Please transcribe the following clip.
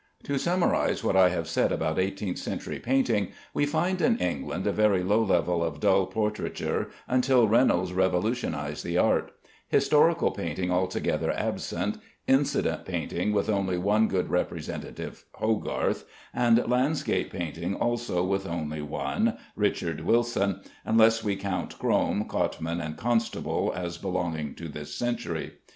To summarize what I have said about eighteenth century painting, we find in England a very low level of dull portraiture until Reynolds revolutionized the art; historical painting altogether absent; incident painting with only one good representative (Hogarth), and landscape painting also with only one (Richard Wilson), unless we count Crome, Cotman, and Constable as belonging to this century.